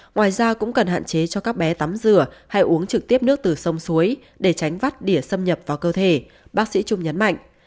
ngoài ra cũng cần hạn chế cho các bé tắm rửa hay uống trực tiếp nước từ sông suối để tránh vắt đỉa xâm nhập vào cơ thể bác sĩ trung nhấn mạnh